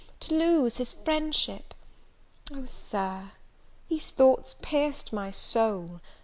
to lose his friendship! Oh, Sir, these thoughts pierced my soul!